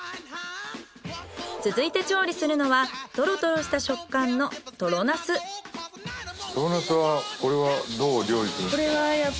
続いて調理するのはトロトロした食感のトロナスはこれはどう料理するんですか？